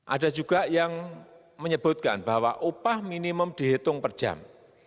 ada juga yang menyebutkan bahwa upah minimum dihitung per jam